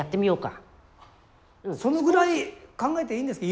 そのぐらい考えていいんですか？